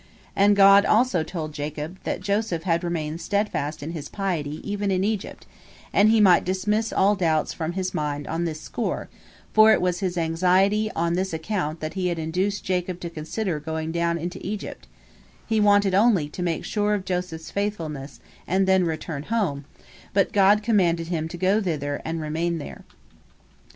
And God also told Jacob that Joseph had remained steadfast in his piety even in Egypt, and he might dismiss all doubts from his mind on this score, for it was his anxiety on this account that had induced Jacob to consider going down into Egypt; he wanted only to make sure of Joseph's faithfulness, and then return home, but God commanded him to go thither and remain there.